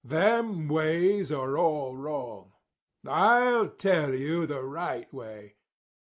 Them ways are all wrong. "I'll tell you the right way.